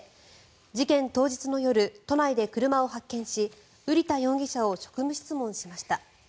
事件当日の夜、都内で車を発見し瓜田容疑者を職務質問しました。